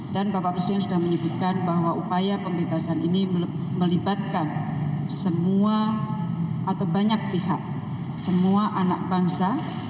dan bapak presiden sudah menyebutkan bahwa upaya pembebasan ini melibatkan semua atau banyak pihak semua anak bangsa